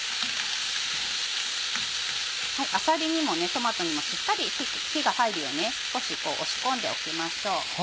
あさりにもトマトにもしっかり火が入るように少しこう押し込んでおきましょう。